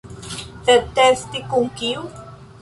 Sed testi kun kiu?